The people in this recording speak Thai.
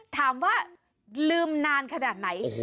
ถามว่าลืมนานขนาดไหน